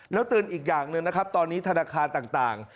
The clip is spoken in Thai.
แล้วเตือนอีกอย่างหนึ่งนะครับตอนนี้ธนาคารต่าง